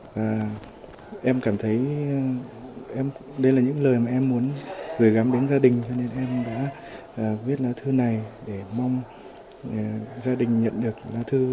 và em cảm thấy đây là những lời mà em muốn gửi gắm đến gia đình cho nên em đã viết lá thư này để mong gia đình nhận được lá thư